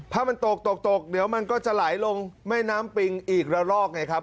ถ้ามันตกตกตกเดี๋ยวมันก็จะไหลลงแม่น้ำปิงอีกละลอกไงครับ